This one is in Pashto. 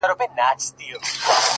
هله تياره ده په تلوار راته خبري کوه ـ